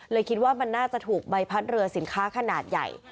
คิดว่ามันน่าจะถูกใบพัดเรือสินค้าขนาดใหญ่